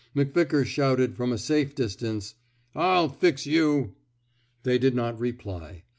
McVickar shouted, from a safe distance: I'll fix you!" They did not reply.